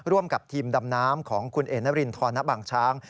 ร่วมกับทีมดำน้ำของคุณเอนรินทรบางช้าง